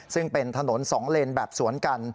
ซึ่งเป็นถนน๒เลนแบบสวนกัน